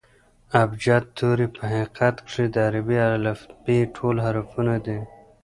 ابجد توري په حقیقت کښي د عربي الفبې ټول حرفونه دي.